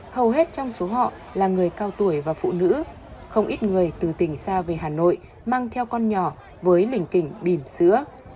hầu hết trong số họ là người cao tuổi và phụ nữ không ít người từ tỉnh xa về hà nội mang theo con nhỏ với lình kỉnh bìm sữa